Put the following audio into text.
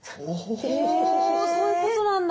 おそういうことなんだ。